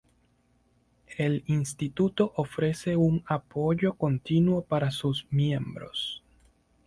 El Instituto ofrece un apoyo continuo para sus miembros.